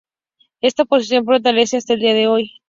Esta posición prevalece hasta el día de hoy.